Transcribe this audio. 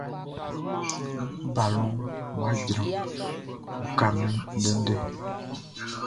Min balɔnʼn wʼa jran, uka min ndɛndɛ!